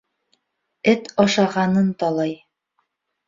Эт ашағанын талай.